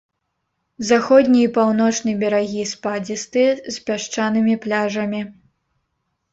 Заходні і паўночны берагі спадзістыя, з пясчанымі пляжамі.